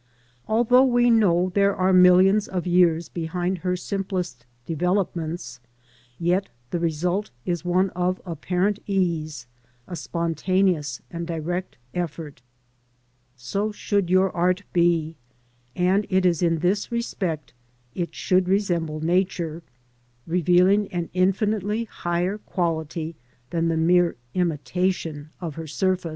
Although we know there are millions of years behind her simplest developments, yet the result is one of apparent ease, a spontaneous and direct effort So should your Art be, and it is in this respect it should resemble Nature, revealing an infinitely higher quality than the mere imitation of her surface.